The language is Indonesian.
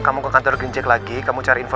saya yakin dia kenal sama sumarno